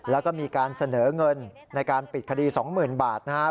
แล้วก็มีการเสนอเงินในการปิดคดี๒๐๐๐บาทนะครับ